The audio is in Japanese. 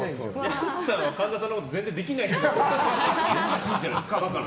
やすさんは神田さんのこと全然できない人だって。